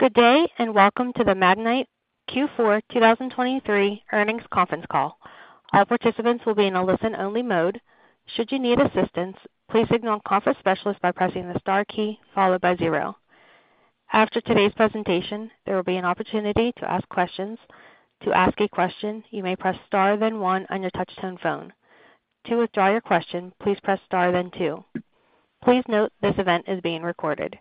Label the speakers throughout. Speaker 1: Good day and welcome to the Magnite Q4 2023 Earnings Conference Call. All participants will be in a listen-only mode. Should you need assistance, please signal "Conference Specialist" by pressing the star key followed by zero. After today's presentation, there will be an opportunity to ask questions. To ask a question, you may press star then one on your touch-tone phone. To withdraw your question, please press star then two. Please note this event is being recorded.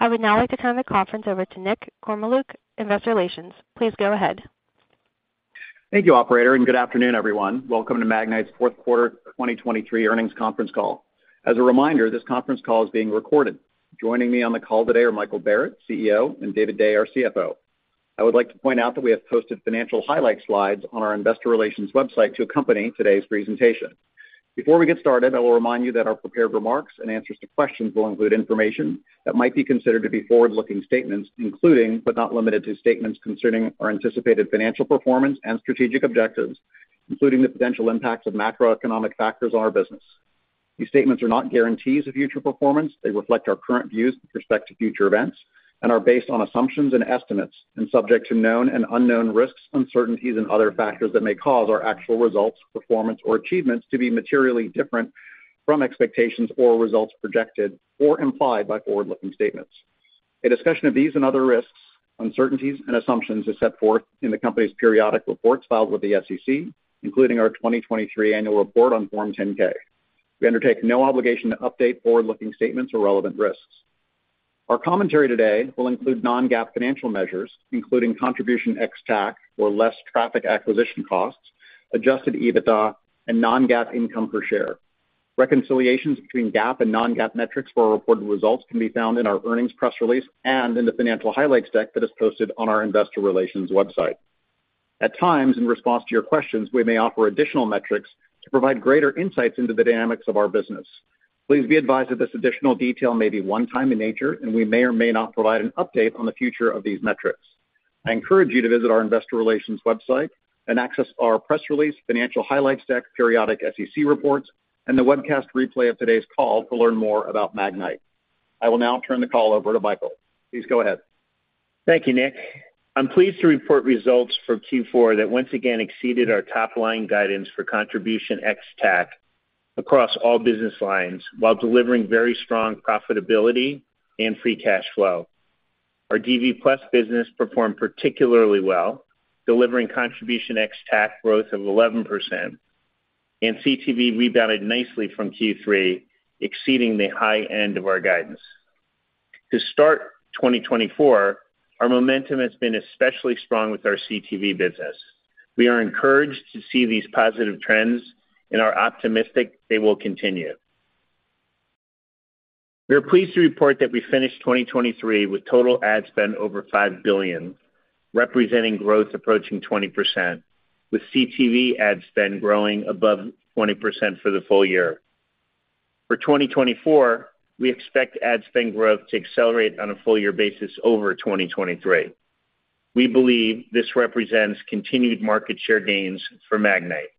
Speaker 1: I would now like to turn the conference over to Nick Kormeluk, Investor Relations. Please go ahead.
Speaker 2: Thank you, operator, and good afternoon, everyone. Welcome to Magnite's Fourth Quarter 2023 Earnings Conference Call. As a reminder, this conference call is being recorded. Joining me on the call today are Michael Barrett, CEO, and David Day, our CFO. I would like to point out that we have posted financial highlight slides on our Investor Relations website to accompany today's presentation. Before we get started, I will remind you that our prepared remarks and answers to questions will include information that might be considered to be forward-looking statements, including but not limited to statements concerning our anticipated financial performance and strategic objectives, including the potential impacts of macroeconomic factors on our business. These statements are not guarantees of future performance. They reflect our current views with respect to future events and are based on assumptions and estimates and subject to known and unknown risks, uncertainties, and other factors that may cause our actual results, performance, or achievements to be materially different from expectations or results projected or implied by forward-looking statements. A discussion of these and other risks, uncertainties, and assumptions is set forth in the company's periodic reports filed with the SEC, including our 2023 annual report on Form 10-K. We undertake no obligation to update forward-looking statements or relevant risks. Our commentary today will include non-GAAP financial measures, including contribution ex-TAC or less traffic acquisition costs, Adjusted EBITDA, and non-GAAP income per share. Reconciliations between GAAP and non-GAAP metrics for our reported results can be found in our earnings press release and in the financial highlights deck that is posted on our Investor Relations website. At times, in response to your questions, we may offer additional metrics to provide greater insights into the dynamics of our business. Please be advised that this additional detail may be one-time in nature, and we may or may not provide an update on the future of these metrics. I encourage you to visit our Investor Relations website and access our press release, financial highlights deck, periodic SEC reports, and the webcast replay of today's call to learn more about Magnite. I will now turn the call over to Michael. Please go ahead.
Speaker 3: Thank you, Nick. I'm pleased to report results for Q4 that once again exceeded our top-line guidance for contribution ex-TAC across all business lines while delivering very strong profitability and free cash flow. Our DV+ business performed particularly well, delivering contribution ex-TAC growth of 11%, and CTV rebounded nicely from Q3, exceeding the high end of our guidance. To start 2024, our momentum has been especially strong with our CTV business. We are encouraged to see these positive trends, and are optimistic they will continue. We are pleased to report that we finished 2023 with total ad spend over $5 billion, representing growth approaching 20%, with CTV ad spend growing above 20% for the full year. For 2024, we expect ad spend growth to accelerate on a full-year basis over 2023. We believe this represents continued market share gains for Magnite.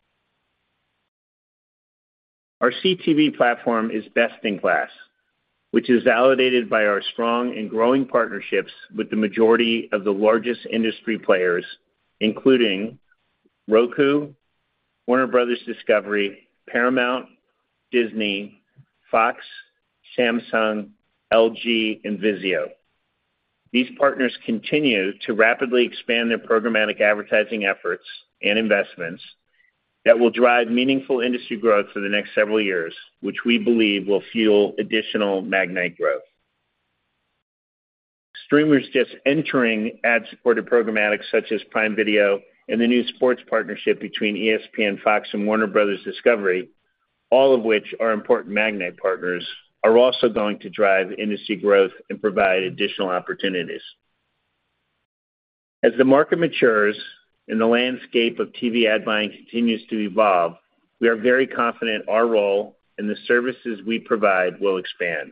Speaker 3: Our CTV platform is best-in-class, which is validated by our strong and growing partnerships with the majority of the largest industry players, including Roku, Warner Bros. Discovery, Paramount, Disney, Fox, Samsung, LG, and Vizio. These partners continue to rapidly expand their programmatic advertising efforts and investments that will drive meaningful industry growth for the next several years, which we believe will fuel additional Magnite growth. Streamers just entering ad-supported programmatic such as Prime Video and the new sports partnership between ESPN, Fox, and Warner Bros. Discovery, all of which are important Magnite partners, are also going to drive industry growth and provide additional opportunities. As the market matures and the landscape of TV ad buying continues to evolve, we are very confident our role and the services we provide will expand.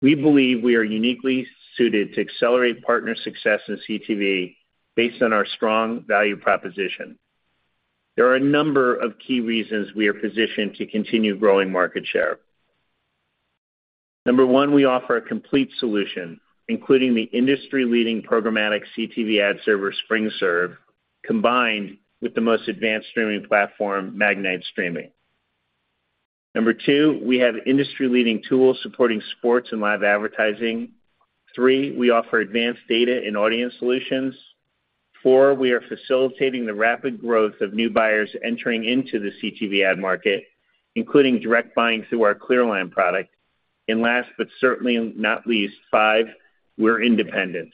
Speaker 3: We believe we are uniquely suited to accelerate partner success in CTV based on our strong value proposition. There are a number of key reasons we are positioned to continue growing market share. Number one, we offer a complete solution, including the industry-leading programmatic CTV ad server, SpringServe, combined with the most advanced streaming platform, Magnite Streaming. Number two, we have industry-leading tools supporting sports and live advertising. Three, we offer advanced data and audience solutions. Four, we are facilitating the rapid growth of new buyers entering into the CTV ad market, including direct buying through our ClearLine product. And last but certainly not least, five, we're independent.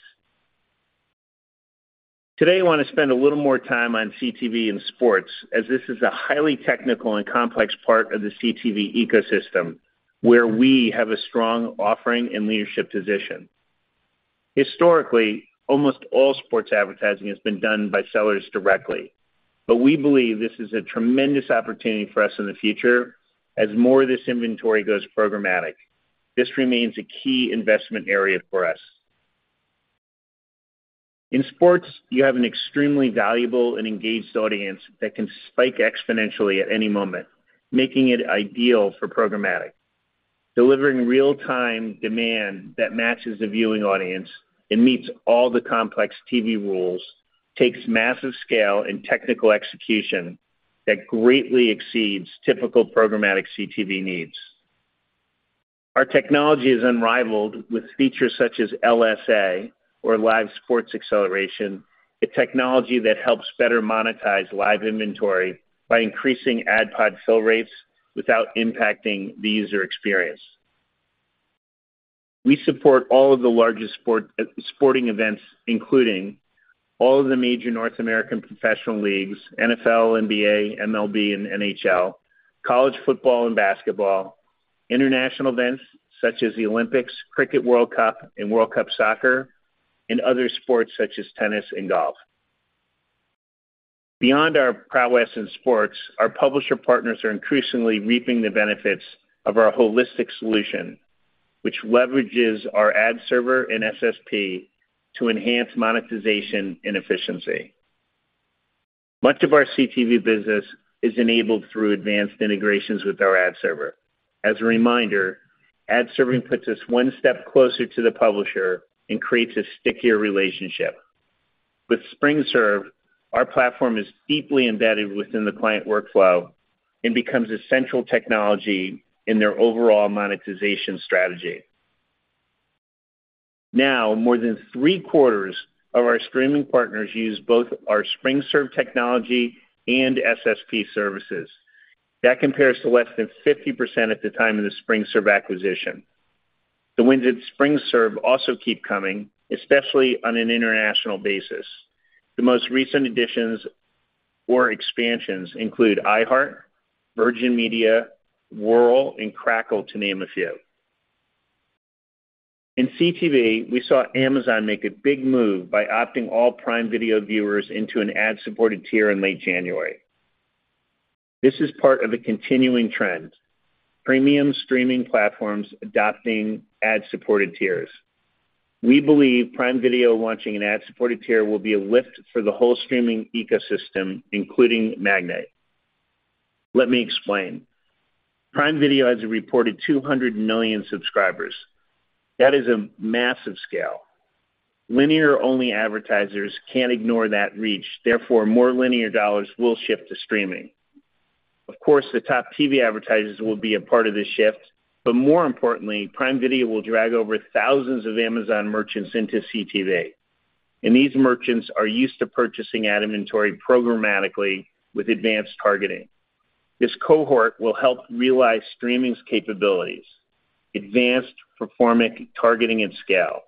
Speaker 3: Today, I want to spend a little more time on CTV and sports, as this is a highly technical and complex part of the CTV ecosystem where we have a strong offering and leadership position. Historically, almost all sports advertising has been done by sellers directly, but we believe this is a tremendous opportunity for us in the future as more of this inventory goes programmatic. This remains a key investment area for us. In sports, you have an extremely valuable and engaged audience that can spike exponentially at any moment, making it ideal for programmatic. Delivering real-time demand that matches the viewing audience and meets all the complex TV rules takes massive scale and technical execution that greatly exceeds typical programmatic CTV needs. Our technology is unrivaled with features such as LSA, or Live Sports Acceleration, a technology that helps better monetize live inventory by increasing ad pod fill rates without impacting the user experience. We support all of the largest sporting events, including all of the major North American professional leagues, NFL, NBA, MLB, and NHL, college football and basketball, international events such as the Olympics, Cricket World Cup, and World Cup soccer, and other sports such as tennis and golf. Beyond our prowess in sports, our publisher partners are increasingly reaping the benefits of our holistic solution, which leverages our ad server and SSP to enhance monetization and efficiency. Much of our CTV business is enabled through advanced integrations with our ad server. As a reminder, ad serving puts us one step closer to the publisher and creates a stickier relationship. With SpringServe, our platform is deeply embedded within the client workflow and becomes a central technology in their overall monetization strategy. Now, more than three-quarters of our streaming partners use both our SpringServe technology and SSP services. That compares to less than 50% at the time of the SpringServe acquisition. The wins at SpringServe also keep coming, especially on an international basis. The most recent additions or expansions include iHeart, Virgin Media, Whirl, and Crackle, to name a few. In CTV, we saw Amazon make a big move by opting all Prime Video viewers into an ad-supported tier in late January. This is part of a continuing trend: premium streaming platforms adopting ad-supported tiers. We believe Prime Video launching an ad-supported tier will be a lift for the whole streaming ecosystem, including Magnite. Let me explain. Prime Video has a reported 200 million subscribers. That is a massive scale. Linear-only advertisers can't ignore that reach. Therefore, more linear dollars will shift to streaming. Of course, the top TV advertisers will be a part of this shift, but more importantly, Prime Video will drag over thousands of Amazon merchants into CTV. These merchants are used to purchasing ad inventory programmatically with advanced targeting. This cohort will help realize streaming's capabilities: advanced, performant targeting, and scale.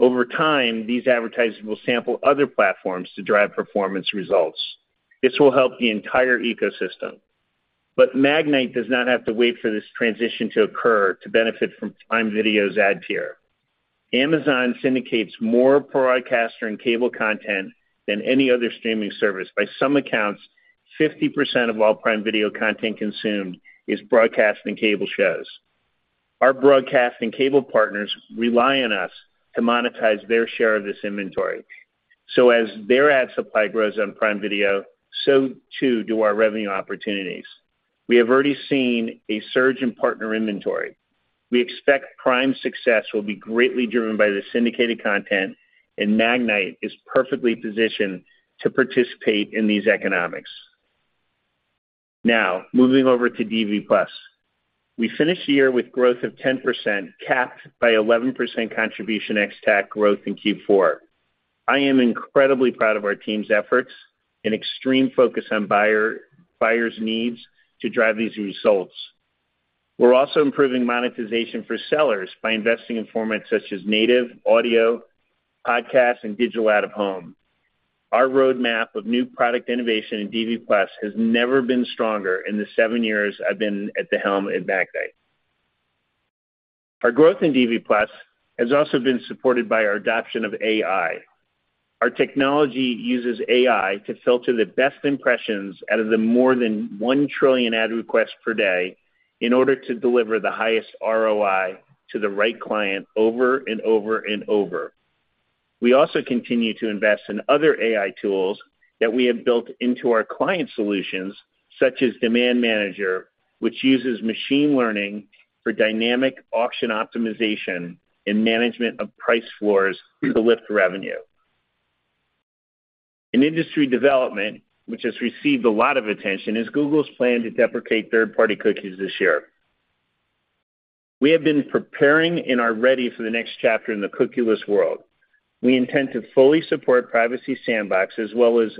Speaker 3: Over time, these advertisers will sample other platforms to drive performance results. This will help the entire ecosystem. Magnite does not have to wait for this transition to occur to benefit from Prime Video's ad tier. Amazon syndicates more broadcaster and cable content than any other streaming service. By some accounts, 50% of all Prime Video content consumed is broadcast and cable shows. Our broadcast and cable partners rely on us to monetize their share of this inventory. As their ad supply grows on Prime Video, so too do our revenue opportunities. We have already seen a surge in partner inventory. We expect Prime's success will be greatly driven by the syndicated content, and Magnite is perfectly positioned to participate in these economics. Now, moving over to DV+. We finished the year with growth of 10% capped by 11% contribution ex-TAC growth in Q4. I am incredibly proud of our team's efforts and extreme focus on buyers' needs to drive these results. We're also improving monetization for sellers by investing in formats such as native, audio, podcast, and digital out-of-home. Our roadmap of new product innovation in DV+ has never been stronger in the seven years I've been at the helm at Magnite. Our growth in DV+ has also been supported by our adoption of AI. Our technology uses AI to filter the best impressions out of the more than 1 trillion ad requests per day in order to deliver the highest ROI to the right client over and over and over. We also continue to invest in other AI tools that we have built into our client solutions, such as Demand Manager, which uses machine learning for dynamic auction optimization and management of price floors to lift revenue. In industry development, which has received a lot of attention, is Google's plan to deprecate third-party cookies this year. We have been preparing and are ready for the next chapter in the cookieless world. We intend to fully support Privacy Sandbox as well as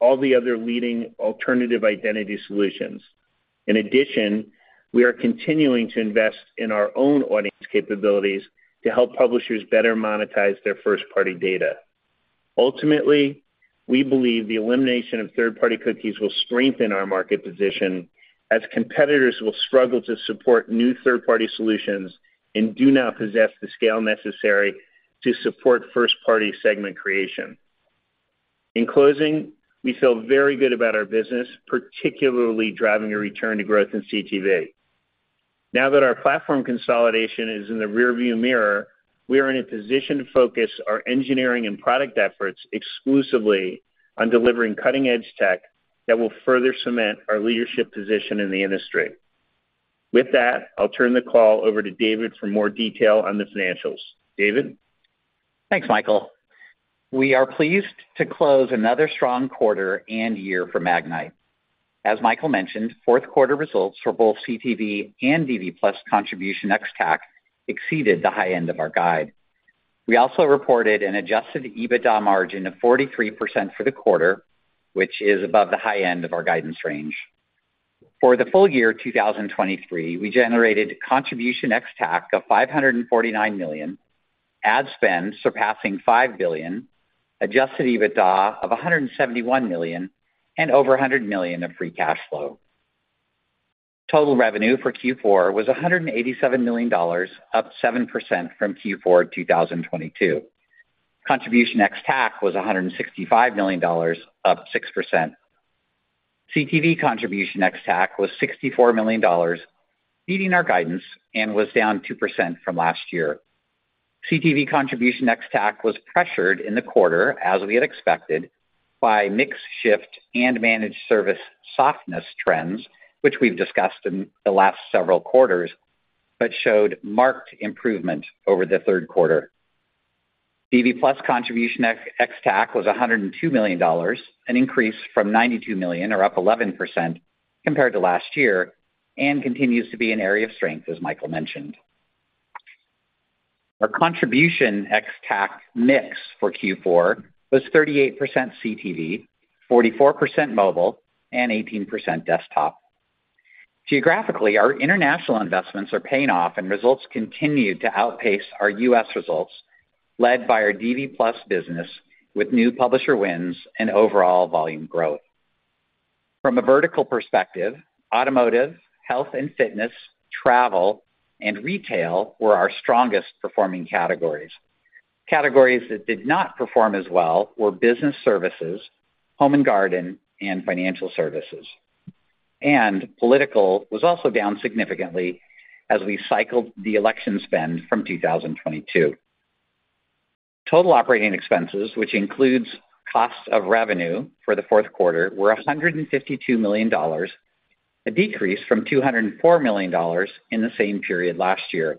Speaker 3: all the other leading alternative identity solutions. In addition, we are continuing to invest in our own audience capabilities to help publishers better monetize their first-party data. Ultimately, we believe the elimination of third-party cookies will strengthen our market position as competitors will struggle to support new third-party solutions and do not possess the scale necessary to support first-party segment creation. In closing, we feel very good about our business, particularly driving a return to growth in CTV. Now that our platform consolidation is in the rearview mirror, we are in a position to focus our engineering and product efforts exclusively on delivering cutting-edge tech that will further cement our leadership position in the industry. With that, I'll turn the call over to David for more detail on the financials. David?
Speaker 4: Thanks, Michael. We are pleased to close another strong quarter and year for Magnite. As Michael mentioned, fourth-quarter results for both CTV and DV+ contribution ex-TAC exceeded the high end of our guide. We also reported an Adjusted EBITDA margin of 43% for the quarter, which is above the high end of our guidance range. For the full year 2023, we generated contribution ex-TAC of $549 million, ad spend surpassing $5 billion, Adjusted EBITDA of $171 million, and over $100 million of free cash flow. Total revenue for Q4 was $187 million, up 7% from Q4 2022. Contribution ex-TAC was $165 million, up 6%. CTV contribution ex-TAC was $64 million, beating our guidance and was down 2% from last year. CTV contribution ex-TAC was pressured in the quarter, as we had expected, by mixed shift and managed service softness trends, which we've discussed in the last several quarters but showed marked improvement over the third quarter. DV+ contribution ex-TAC was $102 million, an increase from $92 million, or up 11%, compared to last year and continues to be an area of strength, as Michael mentioned. Our contribution ex-TAC mix for Q4 was 38% CTV, 44% mobile, and 18% desktop. Geographically, our international investments are paying off, and results continue to outpace our U.S. results, led by our DV+ business with new publisher wins and overall volume growth. From a vertical perspective, automotive, health and fitness, travel, and retail were our strongest performing categories. Categories that did not perform as well were business services, home and garden, and financial services. Political was also down significantly as we cycled the election spend from 2022. Total operating expenses, which includes cost of revenue for the fourth quarter, were $152 million, a decrease from $204 million in the same period last year.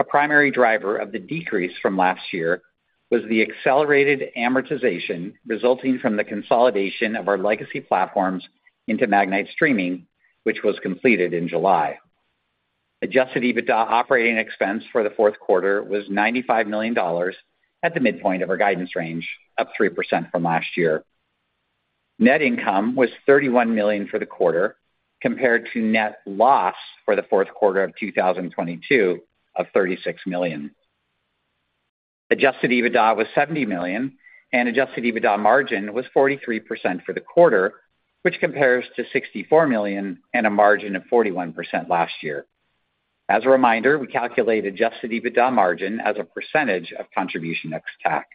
Speaker 4: A primary driver of the decrease from last year was the accelerated amortization resulting from the consolidation of our legacy platforms into Magnite Streaming, which was completed in July. Adjusted EBITDA operating expense for the fourth quarter was $95 million at the midpoint of our guidance range, up 3% from last year. Net income was $31 million for the quarter compared to net loss for the fourth quarter of 2022 of $36 million. Adjusted EBITDA was $70 million, and Adjusted EBITDA margin was 43% for the quarter, which compares to $64 million and a margin of 41% last year. As a reminder, we calculate Adjusted EBITDA margin as a percentage of contribution ex-TAC.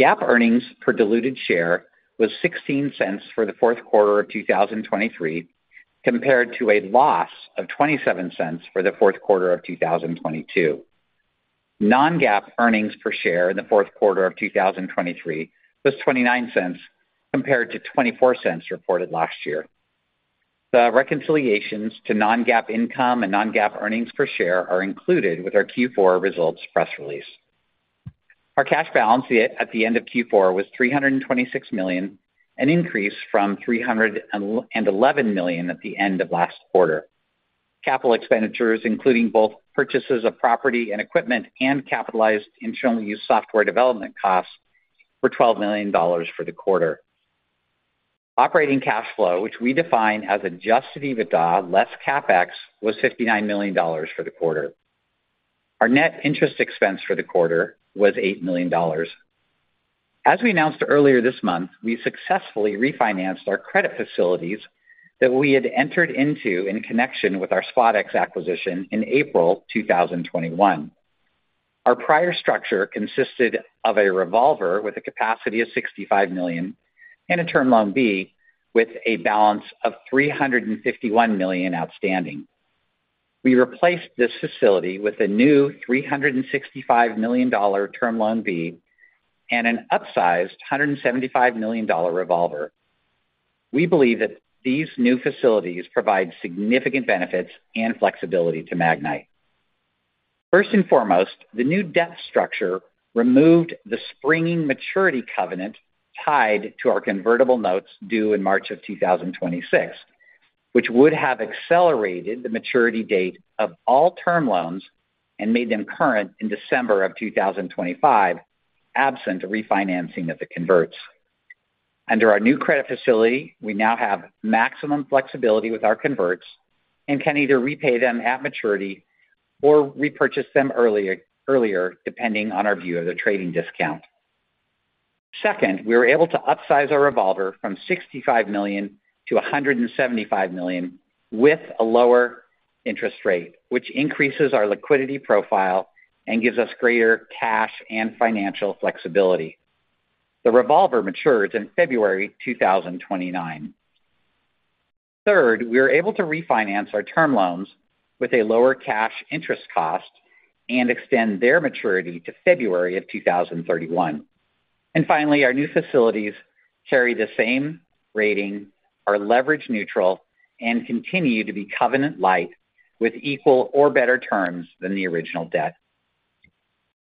Speaker 4: GAAP earnings per diluted share was $0.16 for the fourth quarter of 2023 compared to a loss of $0.27 for the fourth quarter of 2022. Non-GAAP earnings per share in the fourth quarter of 2023 was $0.29 compared to $0.24 reported last year. The reconciliations to non-GAAP income and non-GAAP earnings per share are included with our Q4 results press release. Our cash balance at the end of Q4 was $326 million, an increase from $311 million at the end of last quarter. Capital expenditures, including both purchases of property and equipment and capitalized internally used software development costs, were $12 million for the quarter. Operating cash flow, which we define as Adjusted EBITDA less CapEx, was $59 million for the quarter. Our net interest expense for the quarter was $8 million. As we announced earlier this month, we successfully refinanced our credit facilities that we had entered into in connection with our SpotX acquisition in April 2021. Our prior structure consisted of a revolver with a capacity of $65 million and a Term Loan B with a balance of $351 million outstanding. We replaced this facility with a new $365 million Term Loan B and an upsized $175 million revolver. We believe that these new facilities provide significant benefits and flexibility to Magnite. First and foremost, the new debt structure removed the springing maturity covenant tied to our convertible notes due in March of 2026, which would have accelerated the maturity date of all term loans and made them current in December of 2025 absent refinancing of the converts. Under our new credit facility, we now have maximum flexibility with our converts and can either repay them at maturity or repurchase them earlier depending on our view of the trading discount. Second, we were able to upsize our revolver from $65 million-$175 million with a lower interest rate, which increases our liquidity profile and gives us greater cash and financial flexibility. The revolver matured in February 2029. Third, we were able to refinance our term loans with a lower cash interest cost and extend their maturity to February of 2031. Finally, our new facilities carry the same rating, are leverage neutral, and continue to be covenant-lite with equal or better terms than the original debt.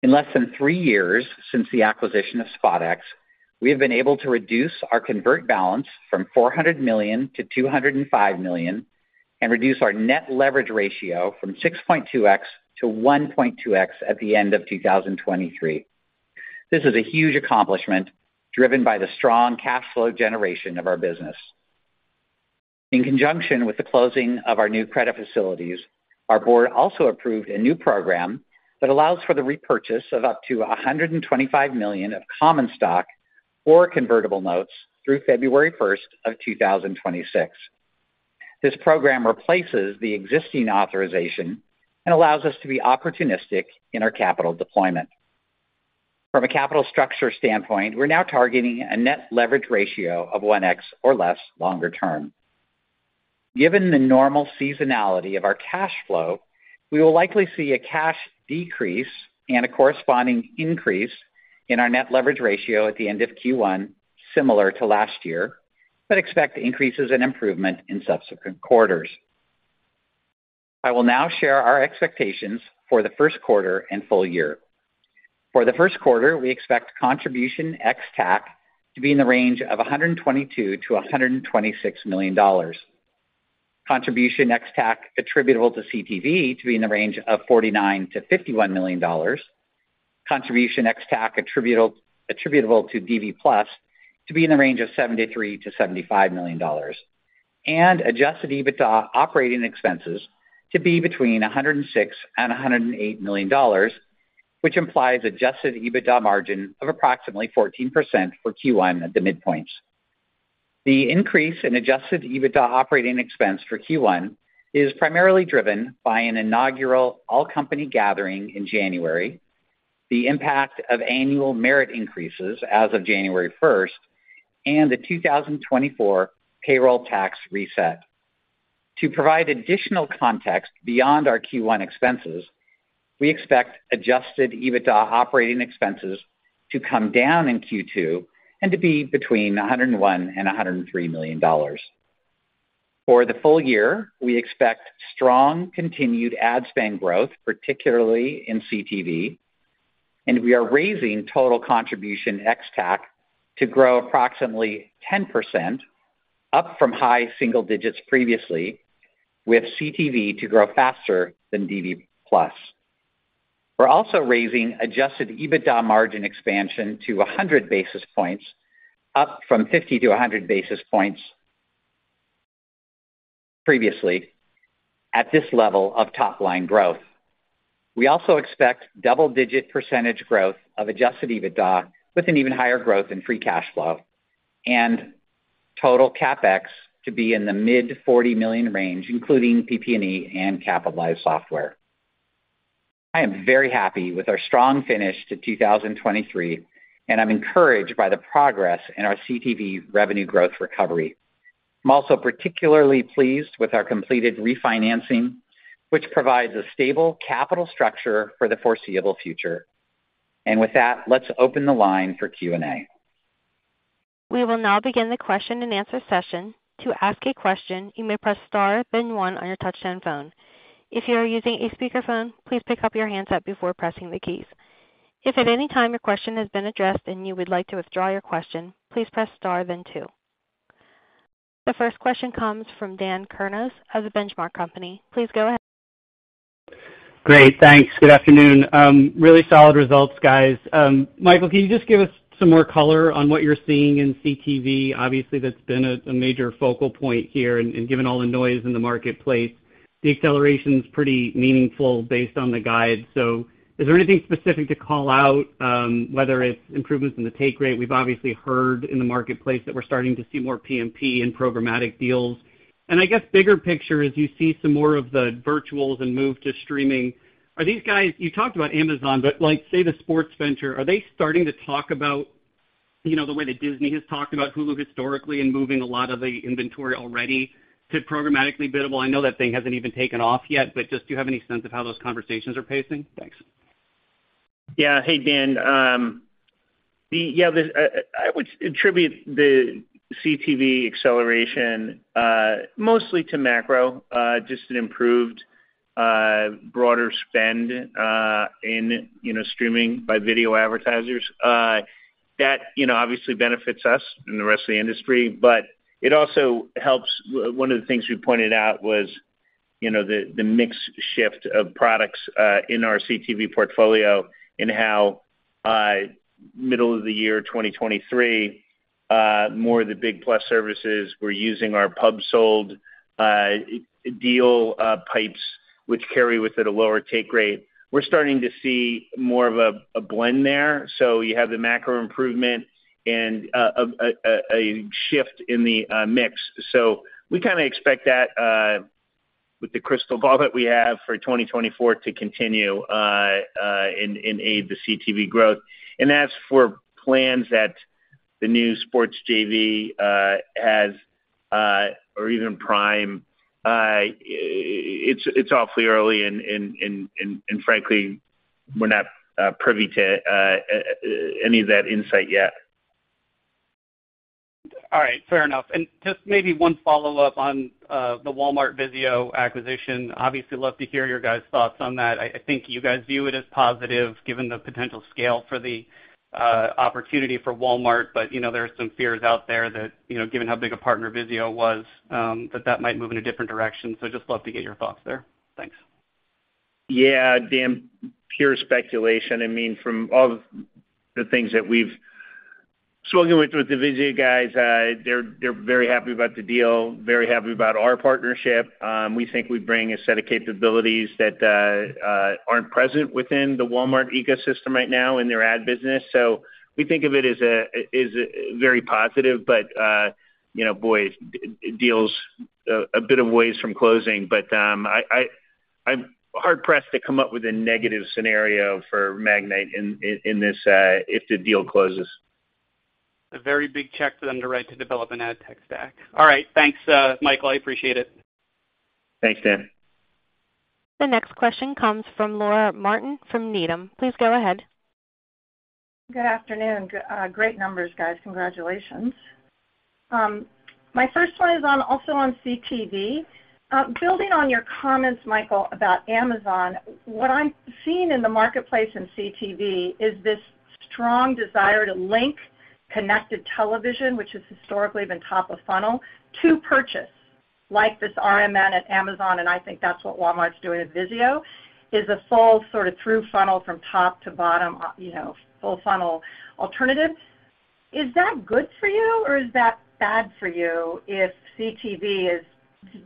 Speaker 4: In less than three years since the acquisition of SpotX, we have been able to reduce our debt balance from $400 million-$205 million and reduce our net leverage ratio from 6.2x to 1.2x at the end of 2023. This is a huge accomplishment driven by the strong cash flow generation of our business. In conjunction with the closing of our new credit facilities, our board also approved a new program that allows for the repurchase of up to $125 million of common stock or convertible notes through February 1st of 2026. This program replaces the existing authorization and allows us to be opportunistic in our capital deployment. From a capital structure standpoint, we're now targeting a net leverage ratio of 1x or less longer term. Given the normal seasonality of our cash flow, we will likely see a cash decrease and a corresponding increase in our net leverage ratio at the end of Q1 similar to last year but expect increases and improvement in subsequent quarters. I will now share our expectations for the first quarter and full year. For the first quarter, we expect Contribution ex-TAC to be in the range of $122 million-$126 million. Contribution ex-TAC attributable to CTV to be in the range of $49 million-$51 million. Contribution ex-TAC attributable to DV+ to be in the range of $73 million-$75 million. And Adjusted EBITDA operating expenses to be between $106 million and $108 million, which implies Adjusted EBITDA margin of approximately 14% for Q1 at the midpoints. The increase in Adjusted EBITDA operating expense for Q1 is primarily driven by an inaugural all-company gathering in January, the impact of annual merit increases as of January 1st, and the 2024 payroll tax reset. To provide additional context beyond our Q1 expenses, we expect Adjusted EBITDA operating expenses to come down in Q2 and to be between $101 million and $103 million. For the full year, we expect strong continued ad spend growth, particularly in CTV, and we are raising total contribution ex-TAC to grow approximately 10%, up from high single digits previously, with CTV to grow faster than DV+. We're also raising Adjusted EBITDA margin expansion to 100 basis points, up from 50-100 basis points previously, at this level of top-line growth. We also expect double-digit % growth of Adjusted EBITDA with an even higher growth in free cash flow and total CapEx to be in the mid-$40 million range, including PP&E and capitalized software. I am very happy with our strong finish to 2023, and I'm encouraged by the progress in our CTV revenue growth recovery. I'm also particularly pleased with our completed refinancing, which provides a stable capital structure for the foreseeable future. With that, let's open the line for Q&A.
Speaker 1: We will now begin the question and answer session. To ask a question, you may press star, then one on your touch-tone phone. If you are using a speakerphone, please pick up your handset before pressing the keys. If at any time your question has been addressed and you would like to withdraw your question, please press star, then two. The first question comes from Dan Kurnos of the Benchmark Company. Please go ahead.
Speaker 5: Great. Thanks. Good afternoon. Really solid results, guys. Michael, can you just give us some more color on what you're seeing in CTV? Obviously, that's been a major focal point here. Given all the noise in the marketplace, the acceleration's pretty meaningful based on the guide. Is there anything specific to call out, whether it's improvements in the take rate? We've obviously heard in the marketplace that we're starting to see more PMP and programmatic deals. I guess bigger picture, as you see some more of the virtuals and move to streaming, are these guys you talked about Amazon, but say the sports venture, are they starting to talk about the way that Disney has talked about Hulu historically and moving a lot of the inventory already to programmatically biddable? I know that thing hasn't even taken off yet, but just do you have any sense of how those conversations are pacing? Thanks.
Speaker 3: Yeah. Hey, Dan. Yeah, I would attribute the CTV acceleration mostly to macro, just an improved broader spend in streaming by video advertisers. That obviously benefits us and the rest of the industry, but it also helps one of the things we pointed out was the mix shift of products in our CTV portfolio and how middle of the year 2023, more of the DV+ services, we're using our Pub/Sold deal pipes, which carry with it a lower take rate. We're starting to see more of a blend there. So you have the macro improvement and a shift in the mix. So we kind of expect that with the crystal ball that we have for 2024 to continue and aid the CTV growth. And that's for plans that the new Sports JV has or even Prime. It's awfully early, and frankly, we're not privy to any of that insight yet.
Speaker 5: All right. Fair enough. And just maybe one follow-up on the Walmart Vizio acquisition. Obviously, love to hear your guys' thoughts on that. I think you guys view it as positive given the potential scale for the opportunity for Walmart, but there are some fears out there that given how big a partner Vizio was, that that might move in a different direction. So just love to get your thoughts there. Thanks.
Speaker 3: Yeah, Dan, pure speculation. I mean, from all the things that we've spoken with the Vizio guys, they're very happy about the deal, very happy about our partnership. We think we bring a set of capabilities that aren't present within the Walmart ecosystem right now in their ad business. So we think of it as very positive, but boy, deal's a bit of ways from closing. But I'm hard-pressed to come up with a negative scenario for Magnite if the deal closes.
Speaker 5: A very big check for them to write to develop an ad tech stack. All right. Thanks, Michael. I appreciate it.
Speaker 3: Thanks, Dan.
Speaker 1: The next question comes from Laura Martin from Needham. Please go ahead.
Speaker 6: Good afternoon. Great numbers, guys. Congratulations. My first one is also on CTV. Building on your comments, Michael, about Amazon, what I'm seeing in the marketplace in CTV is this strong desire to link connected television, which has historically been top of funnel, to purchase, like this RMN at Amazon, and I think that's what Walmart's doing with Vizio, is a full sort of through funnel from top to bottom, full funnel alternative. Is that good for you, or is that bad for you if CTV is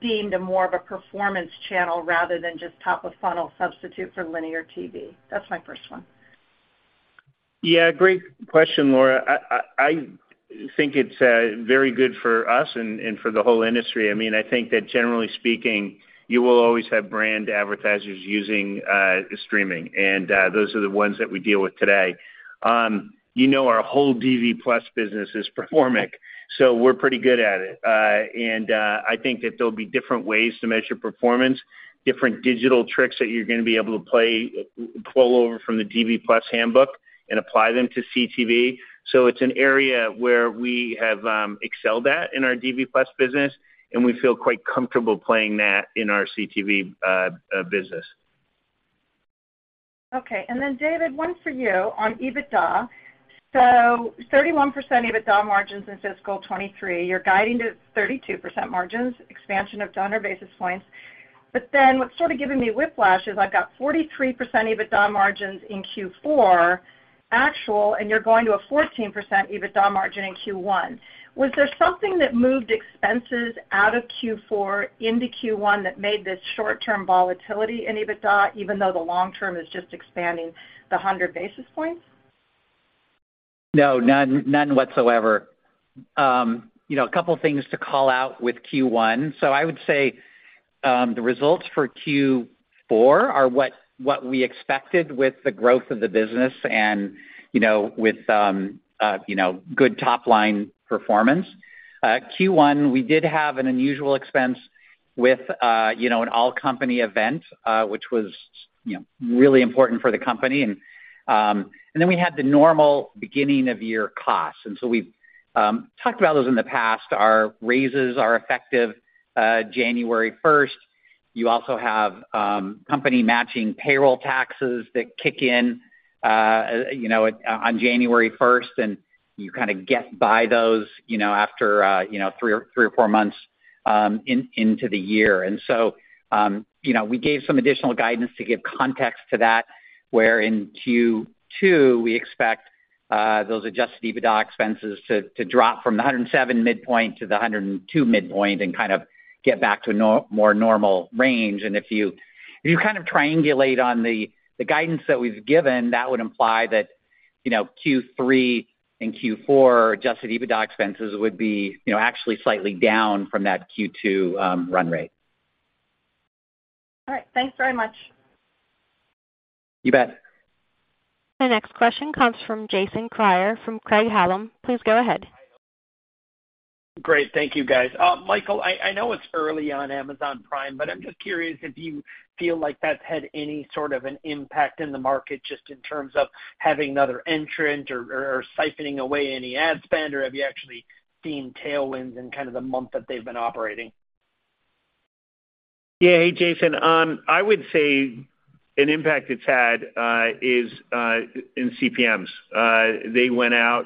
Speaker 6: deemed more of a performance channel rather than just top-of-funnel substitute for linear TV? That's my first one.
Speaker 3: Yeah, great question, Laura. I think it's very good for us and for the whole industry. I mean, I think that generally speaking, you will always have brand advertisers using streaming, and those are the ones that we deal with today. Our whole DV+ business is performance, so we're pretty good at it. And I think that there'll be different ways to measure performance, different digital tricks that you're going to be able to pull over from the DV+ handbook and apply them to CTV. So it's an area where we have excelled at in our DV+ business, and we feel quite comfortable playing that in our CTV business.
Speaker 6: Okay. David, one for you on EBITDA. So 31% EBITDA margins in fiscal 2023. You're guiding to 32% margins, expansion of 200 basis points. But then what's sort of given me whiplash is I've got 43% EBITDA margins in Q4 actual, and you're going to a 14% EBITDA margin in Q1. Was there something that moved expenses out of Q4 into Q1 that made this short-term volatility in EBITDA, even though the long-term is just expanding the 100 basis points?
Speaker 4: No, none whatsoever. A couple of things to call out with Q1. So I would say the results for Q4 are what we expected with the growth of the business and with good top-line performance. Q1, we did have an unusual expense with an all-company event, which was really important for the company. And then we had the normal beginning-of-year costs. And so we've talked about those in the past. Our raises are effective January 1st. You also have company-matching payroll taxes that kick in on January 1st, and you kind of get by those after three or four months into the year. And so we gave some additional guidance to give context to that, where in Q2, we expect those Adjusted EBITDA expenses to drop from the $107 million midpoint to the $102 million midpoint and kind of get back to a more normal range. If you kind of triangulate on the guidance that we've given, that would imply that Q3 and Q4 Adjusted EBITDA expenses would be actually slightly down from that Q2 run rate.
Speaker 6: All right. Thanks very much.
Speaker 4: You bet.
Speaker 1: The next question comes from Jason Kreyer from Craig-Hallum. Please go ahead.
Speaker 7: Great. Thank you, guys. Michael, I know it's early on Amazon Prime, but I'm just curious if you feel like that's had any sort of an impact in the market just in terms of having another entrant or siphoning away any ad spend, or have you actually seen tailwinds in kind of the month that they've been operating?
Speaker 3: Yeah. Hey, Jason. I would say an impact it's had is in CPMs. They went out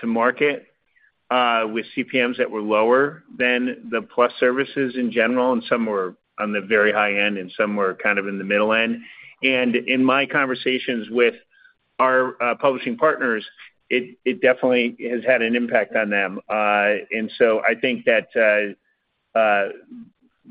Speaker 3: to market with CPMs that were lower than the Plus services in general, and some were on the very high end, and some were kind of in the middle end. And in my conversations with our publishing partners, it definitely has had an impact on them. And so I think that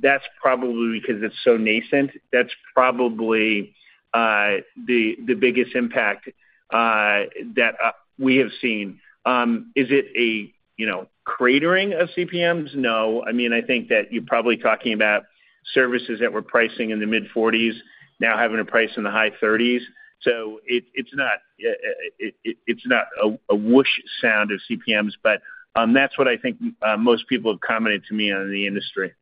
Speaker 3: that's probably because it's so nascent. That's probably the biggest impact that we have seen. Is it a cratering of CPMs? No. I mean, I think that you're probably talking about services that were pricing in the mid-40s now having a price in the high-30s. So it's not a whoosh sound of CPMs, but that's what I think most people have commented to me on the industry.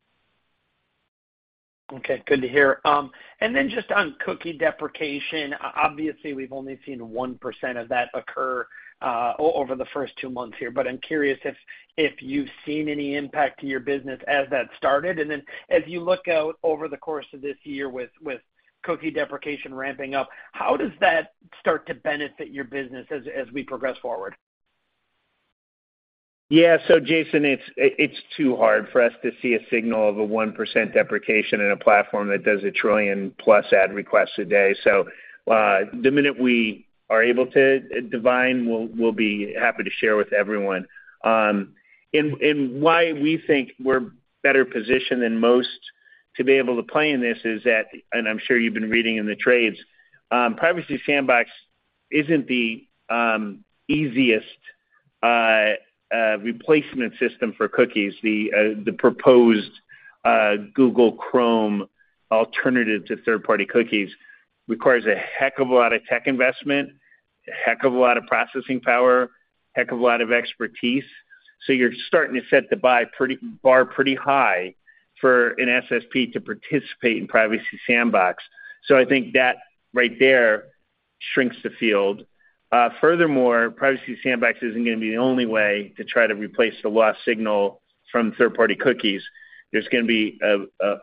Speaker 7: Okay. Good to hear. And then just on cookie deprecation, obviously, we've only seen 1% of that occur over the first two months here, but I'm curious if you've seen any impact to your business as that started? And then as you look out over the course of this year with cookie deprecation ramping up, how does that start to benefit your business as we progress forward?
Speaker 3: Yeah. So, Jason, it's too hard for us to see a signal of a 1% deprecation in a platform that does a trillion+ ad requests a day. So the minute we are able to divine, we'll be happy to share with everyone. And why we think we're better positioned than most to be able to play in this is that, and I'm sure you've been reading in the trades, Privacy Sandbox isn't the easiest replacement system for cookies. The proposed Google Chrome alternative to third-party cookies requires a heck of a lot of tech investment, a heck of a lot of processing power, a heck of a lot of expertise. So you're starting to set the bar pretty high for an SSP to participate in Privacy Sandbox. So I think that right there shrinks the field. Furthermore, Privacy Sandbox isn't going to be the only way to try to replace the lost signal from third-party cookies. There's going to be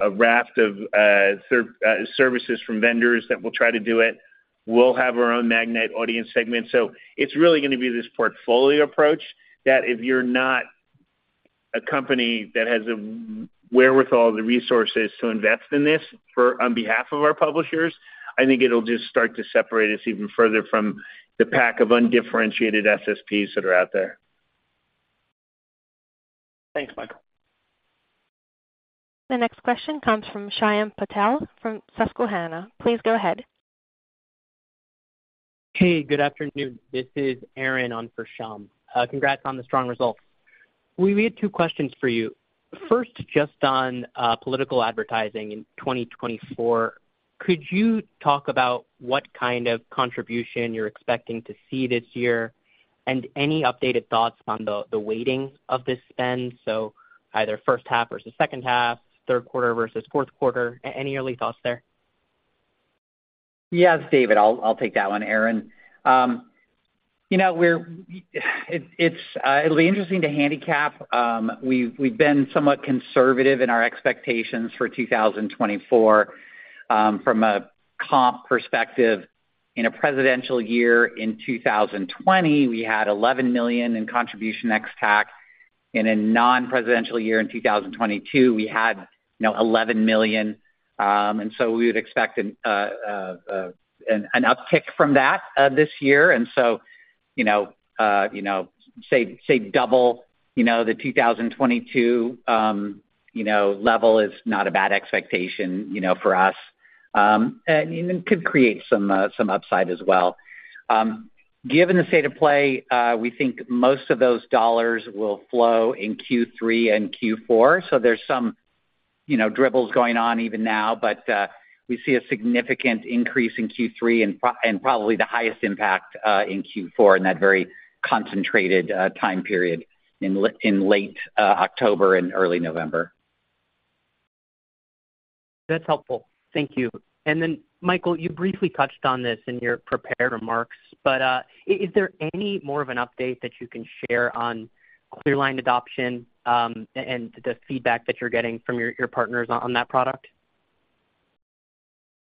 Speaker 3: a raft of services from vendors that will try to do it. We'll have our own Magnite audience segment. So it's really going to be this portfolio approach that if you're not a company that has a wherewithal of the resources to invest in this on behalf of our publishers, I think it'll just start to separate us even further from the pack of undifferentiated SSPs that are out there.
Speaker 7: Thanks, Michael.
Speaker 1: The next question comes from Shyam Patel from Susquehanna. Please go ahead.
Speaker 8: Hey, good afternoon. This is Aaron on for Shyam. Congrats on the strong results. We have two questions for you. First, just on political advertising in 2024, could you talk about what kind of contribution you're expecting to see this year and any updated thoughts on the weighting of this spend, so either first half versus second half, third quarter versus fourth quarter? Any early thoughts there?
Speaker 4: Yeah, it's David. I'll take that one, Aaron. It'll be interesting to handicap. We've been somewhat conservative in our expectations for 2024 from a comp perspective. In a presidential year in 2020, we had $11 million in contribution ex-TAC. In a non-presidential year in 2022, we had $11 million. And so we would expect an uptick from that this year. And so say double the 2022 level is not a bad expectation for us and could create some upside as well. Given the state of play, we think most of those dollars will flow in Q3 and Q4. So there's some dribbles going on even now, but we see a significant increase in Q3 and probably the highest impact in Q4 in that very concentrated time period in late October and early November.
Speaker 8: That's helpful. Thank you. And then, Michael, you briefly touched on this in your prepared remarks, but is there any more of an update that you can share on ClearLine adoption and the feedback that you're getting from your partners on that product?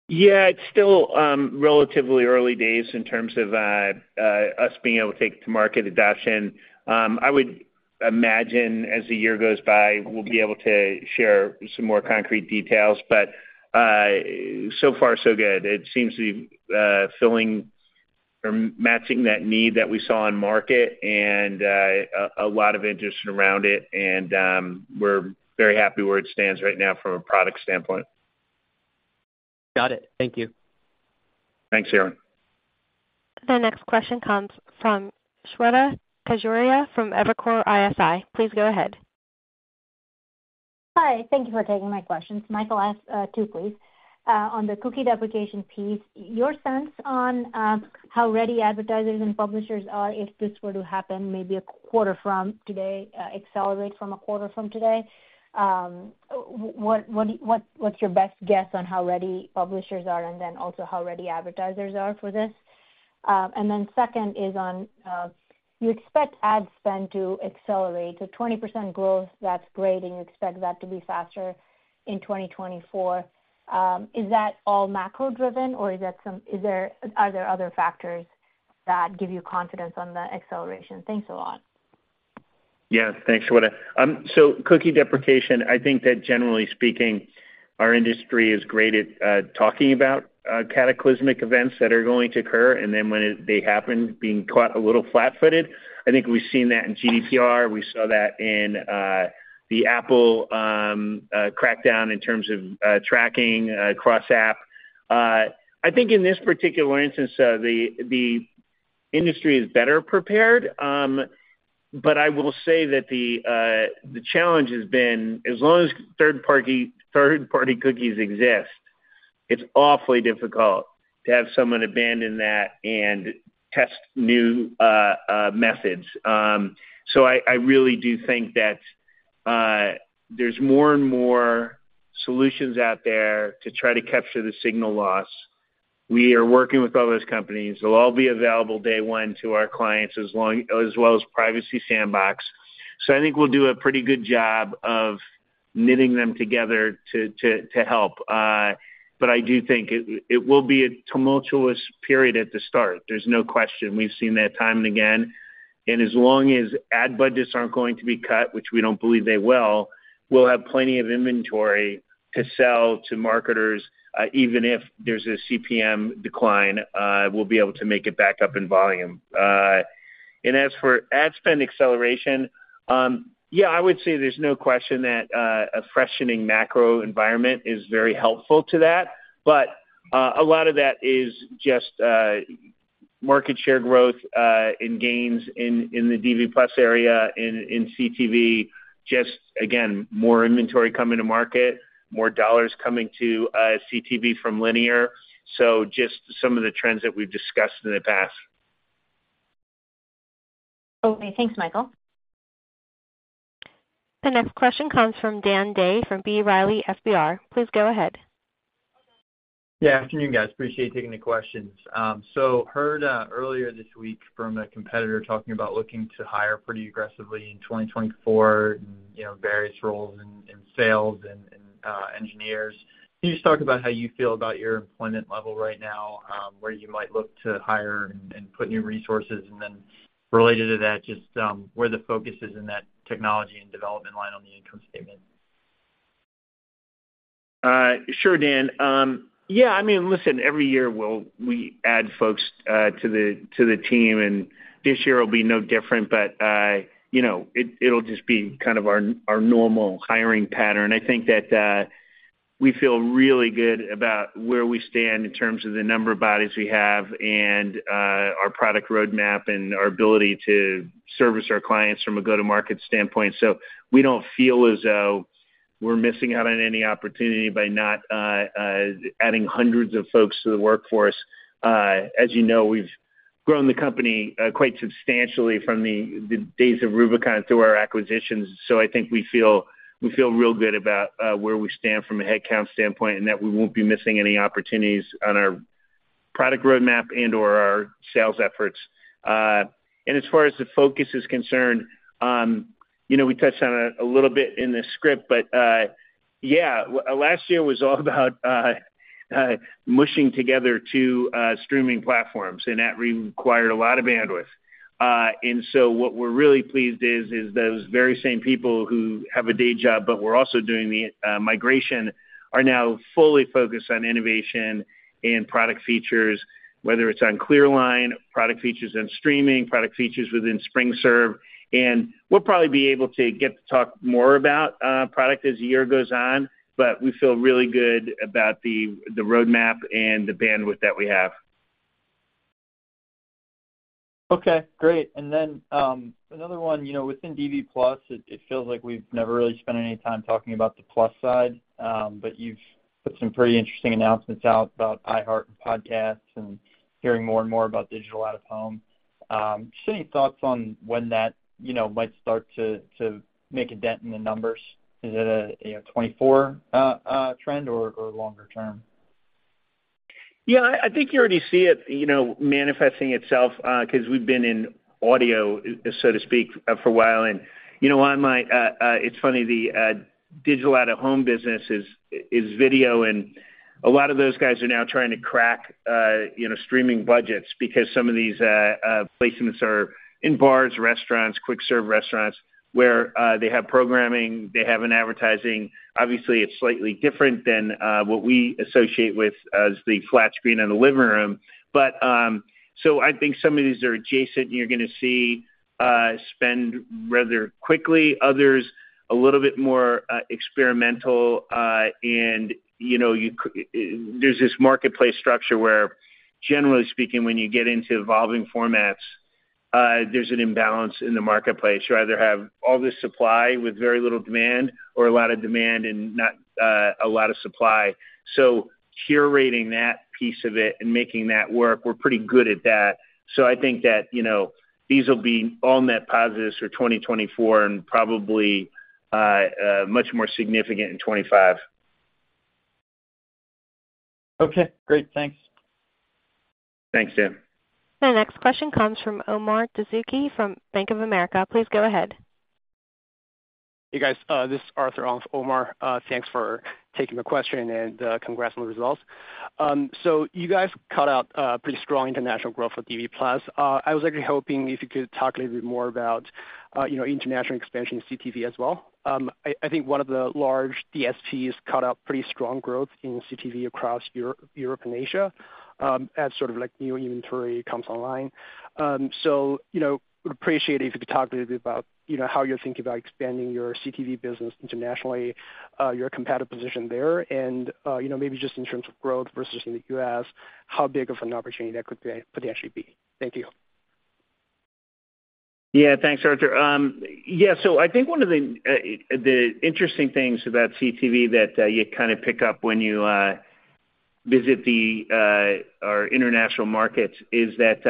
Speaker 3: Yeah, it's still relatively early days in terms of us being able to take to market adoption. I would imagine as the year goes by, we'll be able to share some more concrete details. But so far, so good. It seems to be filling or matching that need that we saw in market and a lot of interest around it. And we're very happy where it stands right now from a product standpoint.
Speaker 8: Got it. Thank you.
Speaker 3: Thanks, Aaron.
Speaker 1: The next question comes from Shweta Khajuria from Evercore ISI. Please go ahead.
Speaker 9: Hi. Thank you for taking my questions. Michael, ask two, please. On the cookie deprecation piece, your sense on how ready advertisers and publishers are if this were to happen maybe a quarter from today, accelerate from a quarter from today? What's your best guess on how ready publishers are and then also how ready advertisers are for this? And then second is on you expect ad spend to accelerate. So 20% growth, that's great, and you expect that to be faster in 2024. Is that all macro-driven, or are there other factors that give you confidence on the acceleration? Thanks a lot.
Speaker 3: Yeah. Thanks, Shweta. So cookie deprecation, I think that generally speaking, our industry is great at talking about cataclysmic events that are going to occur, and then when they happen, being caught a little flat-footed. I think we've seen that in GDPR. We saw that in the Apple crackdown in terms of tracking across app. I think in this particular instance, the industry is better prepared. But I will say that the challenge has been as long as third-party cookies exist, it's awfully difficult to have someone abandon that and test new methods. So I really do think that there's more and more solutions out there to try to capture the signal loss. We are working with all those companies. They'll all be available day one to our clients as well as Privacy Sandbox. So I think we'll do a pretty good job of knitting them together to help. But I do think it will be a tumultuous period at the start. There's no question. We've seen that time and again. And as long as ad budgets aren't going to be cut, which we don't believe they will, we'll have plenty of inventory to sell to marketers. Even if there's a CPM decline, we'll be able to make it back up in volume. And as for ad spend acceleration, yeah, I would say there's no question that a freshening macro environment is very helpful to that. But a lot of that is just market share growth and gains in the DV+ area in CTV, just again, more inventory coming to market, more dollars coming to CTV from Linear. So just some of the trends that we've discussed in the past.
Speaker 10: Okay. Thanks, Michael.
Speaker 1: The next question comes from Dan Day from B. Riley FBR. Please go ahead.
Speaker 11: Good afternoon, guys. Appreciate taking the questions. So heard earlier this week from a competitor talking about looking to hire pretty aggressively in 2024 in various roles in sales and engineers. Can you just talk about how you feel about your employment level right now, where you might look to hire and put new resources? And then related to that, just where the focus is in that technology and development line on the income statement.
Speaker 3: Sure, Dan. Yeah. I mean, listen, every year, we add folks to the team, and this year will be no different. But it'll just be kind of our normal hiring pattern. I think that we feel really good about where we stand in terms of the number of bodies we have and our product roadmap and our ability to service our clients from a go-to-market standpoint. So we don't feel as though we're missing out on any opportunity by not adding hundreds of folks to the workforce. As you know, we've grown the company quite substantially from the days of Rubicon through our acquisitions. So I think we feel real good about where we stand from a headcount standpoint and that we won't be missing any opportunities on our product roadmap and/or our sales efforts. As far as the focus is concerned, we touched on it a little bit in the script, but yeah, last year was all about mushing together two streaming platforms, and that required a lot of bandwidth. So what we're really pleased is those very same people who have a day job but were also doing the migration are now fully focused on innovation and product features, whether it's on ClearLine, product features in streaming, product features within SpringServe. We'll probably be able to get to talk more about product as the year goes on, but we feel really good about the roadmap and the bandwidth that we have.
Speaker 11: Okay. Great. And then another one, within DV+, it feels like we've never really spent any time talking about the plus side, but you've put some pretty interesting announcements out about iHeart and podcasts and hearing more and more about digital out-of-home. Just any thoughts on when that might start to make a dent in the numbers? Is it a 2024 trend or longer term?
Speaker 3: Yeah. I think you already see it manifesting itself because we've been in audio, so to speak, for a while. And you know what, Mike? It's funny. The digital out-of-home business is video, and a lot of those guys are now trying to crack streaming budgets because some of these placements are in bars, restaurants, quick-serve restaurants where they have programming. They have an advertising. Obviously, it's slightly different than what we associate with as the flat screen in the living room. So I think some of these are adjacent, and you're going to see spend rather quickly, others a little bit more experimental. And there's this marketplace structure where, generally speaking, when you get into evolving formats, there's an imbalance in the marketplace. You either have all this supply with very little demand or a lot of demand and not a lot of supply. So curating that piece of it and making that work, we're pretty good at that. So I think that these will be all net positives for 2024 and probably much more significant in 2025.
Speaker 11: Okay. Great. Thanks.
Speaker 3: Thanks, Dan.
Speaker 1: The next question comes from Omar Dessouky from Bank of America. Please go ahead.
Speaker 12: Hey, guys. This is Arthur on for Omar. Thanks for taking my question and congrats on the results. So you guys caught out pretty strong international growth for DV+. I was actually hoping if you could talk a little bit more about international expansion in CTV as well. I think one of the large DSPs caught out pretty strong growth in CTV across Europe and Asia as sort of new inventory comes online. So we'd appreciate it if you could talk a little bit about how you're thinking about expanding your CTV business internationally, your competitive position there, and maybe just in terms of growth versus in the U.S., how big of an opportunity that could potentially be. Thank you.
Speaker 3: Yeah. Thanks, Arthur. Yeah. So I think one of the interesting things about CTV that you kind of pick up when you visit our international markets is that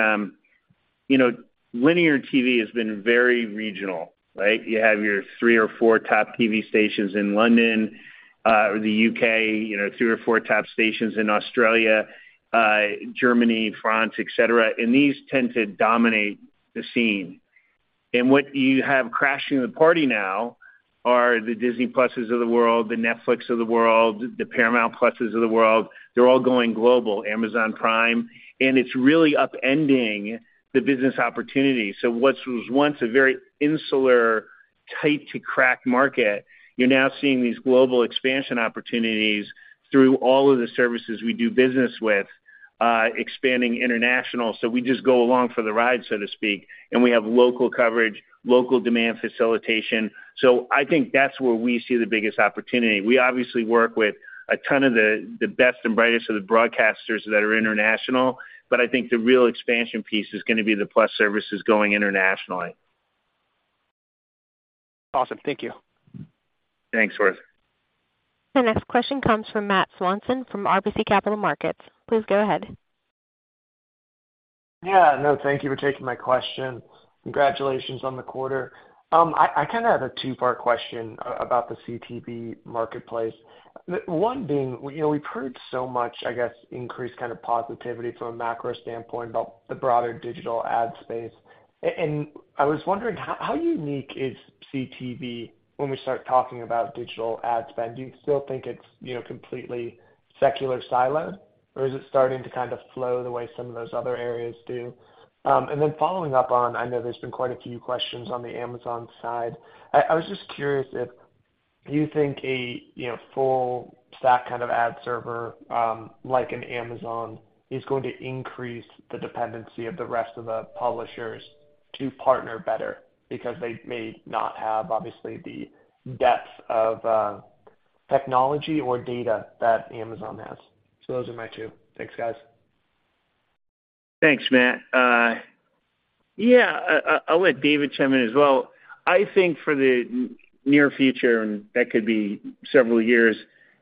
Speaker 3: Linear TV has been very regional, right? You have your three or four top TV stations in London or the U.K., three or four top stations in Australia, Germany, France, et cetera. And these tend to dominate the scene. And what you have crashing the party now are the Disney Pluses of the world, the Netflix of the world, the Paramount Pluses of the world. They're all going global, Amazon Prime. And it's really upending the business opportunity. So what was once a very insular, tight-to-crack market, you're now seeing these global expansion opportunities through all of the services we do business with expanding international. So we just go along for the ride, so to speak, and we have local coverage, local demand facilitation. So I think that's where we see the biggest opportunity. We obviously work with a ton of the best and brightest of the broadcasters that are international, but I think the real expansion piece is going to be the plus services going internationally.
Speaker 12: Awesome. Thank you.
Speaker 3: Thanks, Arthur.
Speaker 1: The next question comes from Matt Swanson from RBC Capital Markets. Please go ahead.
Speaker 13: Yeah. No, thank you for taking my question. Congratulations on the quarter. I kind of had a two-part question about the CTV marketplace. One being, we've heard so much, I guess, increased kind of positivity from a macro standpoint about the broader digital ad space. And I was wondering how unique is CTV when we start talking about digital ad spend? Do you still think it's completely secular, siloed, or is it starting to kind of flow the way some of those other areas do? And then following up on, I know there's been quite a few questions on the Amazon side. I was just curious if you think a full-stack kind of ad server like an Amazon is going to increase the dependency of the rest of the publishers to partner better because they may not have, obviously, the depth of technology or data that Amazon has. Those are my two. Thanks, guys.
Speaker 3: Thanks, Matt. Yeah. I'll let David chime in as well. I think for the near future, and that could be several years,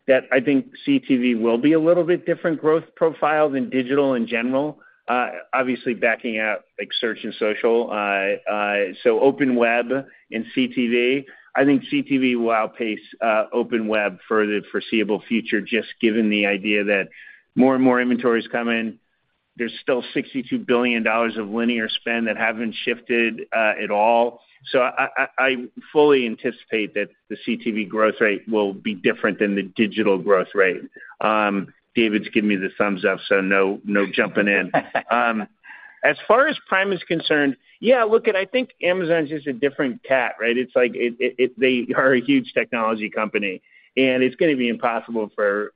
Speaker 3: that I think CTV will be a little bit different growth profile than digital in general, obviously backing out search and social. So open web and CTV, I think CTV will outpace open web for the foreseeable future just given the idea that more and more inventory is coming. There's still $62 billion of Linear spend that haven't shifted at all. So I fully anticipate that the CTV growth rate will be different than the digital growth rate. David's giving me the thumbs up, so no jumping in. As far as Prime is concerned, yeah, look it, I think Amazon's just a different cat, right? They are a huge technology company, and it's going to be impossible for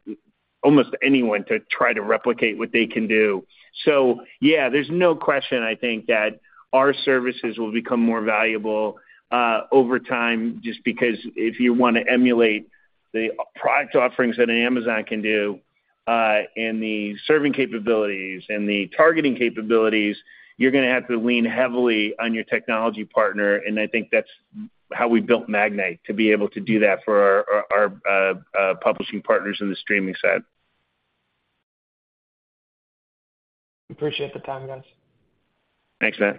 Speaker 3: almost anyone to try to replicate what they can do. So yeah, there's no question, I think, that our services will become more valuable over time just because if you want to emulate the product offerings that an Amazon can do and the serving capabilities and the targeting capabilities, you're going to have to lean heavily on your technology partner. And I think that's how we built Magnite, to be able to do that for our publishing partners in the streaming side.
Speaker 13: Appreciate the time, guys.
Speaker 3: Thanks, Matt.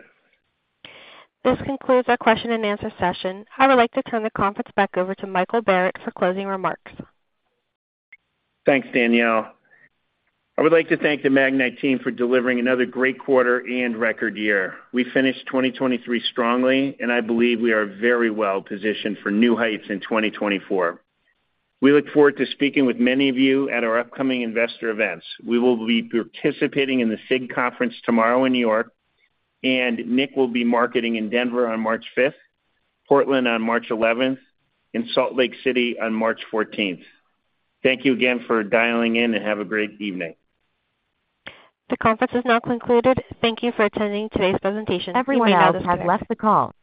Speaker 1: This concludes our question-and-answer session. I would like to turn the conference back over to Michael Barrett for closing remarks.
Speaker 3: Thanks, Danielle. I would like to thank the Magnite team for delivering another great quarter and record year. We finished 2023 strongly, and I believe we are very well positioned for new heights in 2024. We look forward to speaking with many of you at our upcoming investor events. We will be participating in the SIG conference tomorrow in New York, and Nick will be marketing in Denver on March 5th, Portland on March 11th, and Salt Lake City on March 14th. Thank you again for dialing in, and have a great evening.
Speaker 1: The conference is now concluded. Thank you for attending today's presentation. Everyone else has left the call.